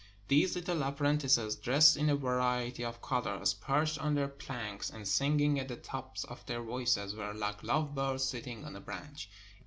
. These little apprentices, dressed in a variety of colors, perched on their planks and singing at the tops of their voices, were like love birds sitting on a branch.